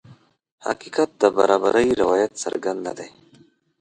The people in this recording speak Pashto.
حقیقت د برابرۍ روایت څرګند نه دی.